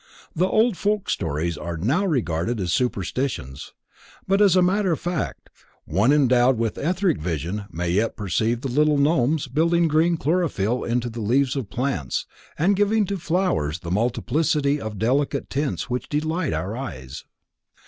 The old folk stories are now regarded as superstitions, but as a matter of fact, one endowed with etheric vision may yet perceive the little gnomes building green chlorophyll into the leaves of plants and giving to flowers the multiplicity of delicate tints which delight our eyes.